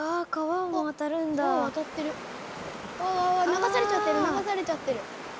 流されちゃってる流されちゃってる。